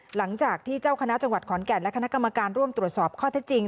หลังจากที่เจ้าคณะจังหวัดขอนแก่นและคณะกรรมการร่วมตรวจสอบข้อเท็จจริง